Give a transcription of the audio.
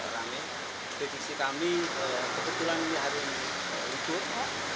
deteksi kami kebetulan hari ini hari ini hari ini hari ini hari ini hari ini